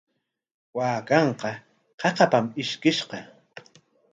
Waakanqa qaqapam ishkiskishqa.